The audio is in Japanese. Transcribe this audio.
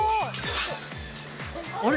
・あれ？